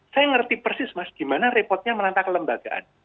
saya mengerti persis mas gimana repotnya menata kelembagaan